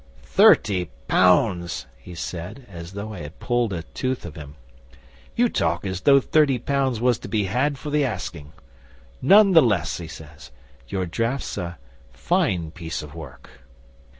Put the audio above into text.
'"Thirty pounds!" he said, as though I had pulled a tooth of him. "You talk as though thirty pounds was to be had for the asking. None the less," he says, "your draft's a fine piece of work."